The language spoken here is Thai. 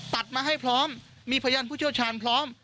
ตัดมาให้พร้อมมีพยานผู้เชี่ยวชาญพร้อม